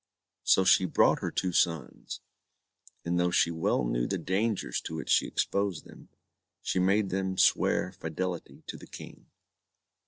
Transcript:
So she brought her two sons, and though she well knew the dangers to which she exposed them, she made them swear fidelity to the King.